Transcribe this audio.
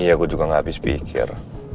ya gue juga gak habis pikir